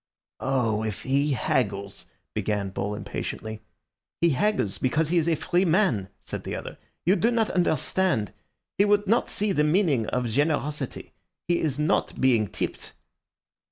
"Oh, if he haggles!" began Bull impatiently. "He haggles because he is a free man," said the other. "You do not understand; he would not see the meaning of generosity. He is not being tipped."